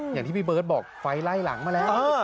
อย่างที่พี่เบิร์ตบอกไฟไล่หลังมาแล้ว